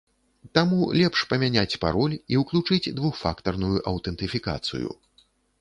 Таму лепш памяняць пароль і ўключыць двухфактарную аўтэнтыфікацыю.